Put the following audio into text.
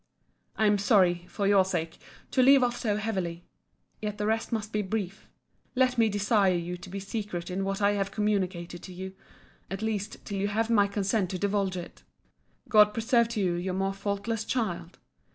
I am sorry, for your sake, to leave off so heavily. Yet the rest must be brief. Let me desire you to be secret in what I have communicated to you; at least till you have my consent to divulge it. God preserve to you your more faultless child!